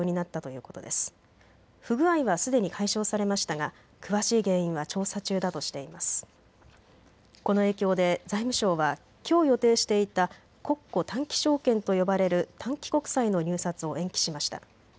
この影響で財務省はきょう予定していた国庫短期証券と呼ばれる短期国債の入札を延期しました。